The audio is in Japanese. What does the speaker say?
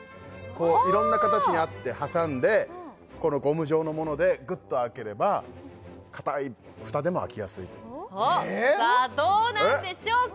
こういろんな形に合って挟んでこのゴム状のものでぐっと開ければかたい蓋でも開きやすいおっさあどうなんでしょうか？